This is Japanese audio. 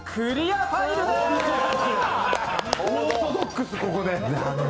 オーソドックス、ここで。